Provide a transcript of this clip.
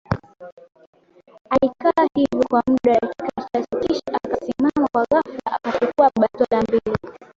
Alikaa hivyo kwa muda wa dakika chache kisha akasimama kwa ghafla akachukua bastola mbili